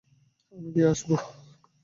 আমি দিয়ে আসবো।